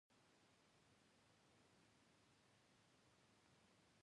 کندهار د افغانستان د ټولو هیوادوالو لپاره یو لوی ویاړ دی.